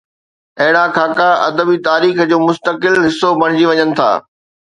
اهڙا خاڪا ادبي تاريخ جو مستقل حصو بڻجي وڃن ٿا.